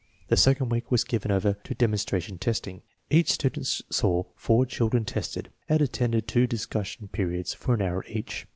The second week was given over to demon stration testing., Each student saw four children tested, and attended two discussion periods of an hour each.